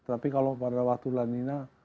tapi kalau pada waktu lanina